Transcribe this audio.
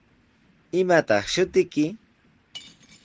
¿Imataq shutiyki?